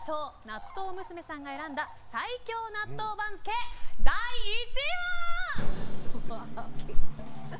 なっとう娘さんが選んだ最強納豆番付、第１位は。